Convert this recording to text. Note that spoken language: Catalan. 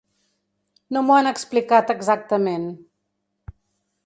No m’ho han explicat exactament.